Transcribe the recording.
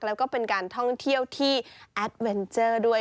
แล้วก็เป็นการท่องเที่ยวที่แอดเวนเจอร์ด้วย